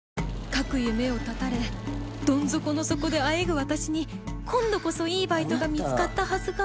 書く夢を絶たれどん底の底であえぐ私に今度こそいいバイトが見つかったはずが